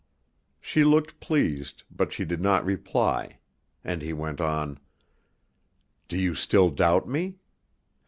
'" She looked pleased, but she did not reply, and he went on. "Do you still doubt me?